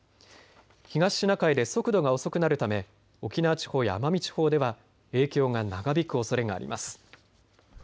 東シナ海で速度が遅くなるため沖縄地方や奄美地方では影響が長引くおそれがあります。